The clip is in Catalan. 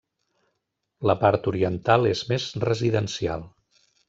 La part oriental és més residencial.